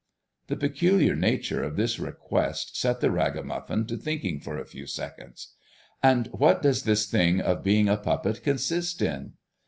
The peculiar nature of this request set the ragamuffin to thinking for a few seconds. "And what does this thing of being a puppet consist in?"